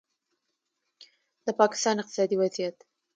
د پاکستان اقتصادي وضعیت